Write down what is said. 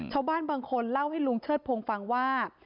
ชาวบ้านบางคนเล่าให้ลุงเชิดพงศ์ฟังว่า